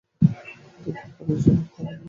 দুদিন ধরে সে পাগলের মত ঘুরে বেড়াচ্ছে।